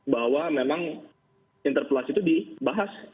bahwa memang interpelasi itu dibahas